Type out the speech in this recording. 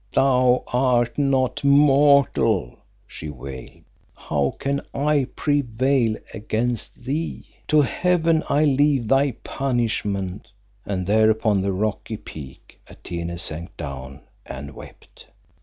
"Thou art not mortal," she wailed. "How can I prevail against thee? To Heaven I leave thy punishment," and there upon the rocky peak Atene sank down and wept.